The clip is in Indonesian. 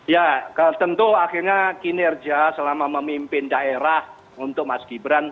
ya tentu akhirnya kinerja selama memimpin daerah untuk mas gibran